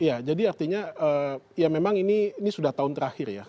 ya jadi artinya ya memang ini sudah tahun terakhir ya